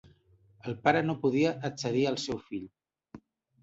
El pare no podia accedir al seu fill.